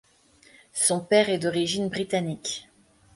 Son père est d’origine britannique.